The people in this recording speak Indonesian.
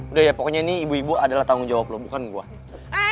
udah ya pokoknya ini ibu ibu adalah tanggung jawab loh bukan gue